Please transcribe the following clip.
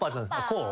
こう？